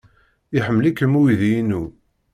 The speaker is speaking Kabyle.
Iḥemmel-ikem uydi-inu.